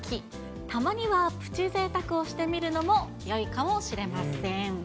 たまにはプチぜいたくをしてみるのもよいかもしれません。